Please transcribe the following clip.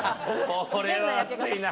これは暑いな。